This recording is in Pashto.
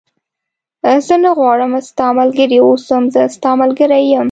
زه نه غواړم ستا ملګری و اوسم، زه ستا ملګری یم.